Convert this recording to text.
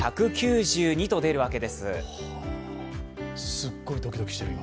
すっごいドキドキしてる、今。